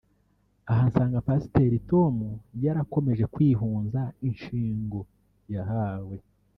Aha nsanga Pasiteri Tom yarakomeje kwihunza inshingo yahawe